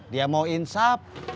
dia mau insap